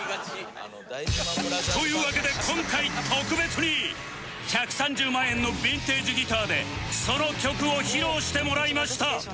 というわけで今回特別に１３０万円のヴィンテージギターでその曲を披露してもらいました！